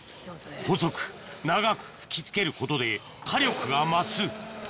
細く長く吹き付けることで火力が増す来た！